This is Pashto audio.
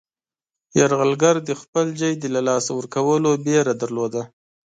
یرغلګر د خپل ځای د له لاسه ورکولو ویره درلوده.